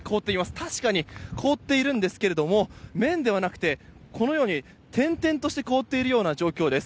確かに凍っているんですが面ではなくて、転々として凍っているような状況です。